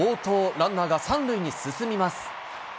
ランナーが３塁に進みます。